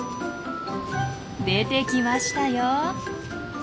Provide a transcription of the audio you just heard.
出てきましたよ。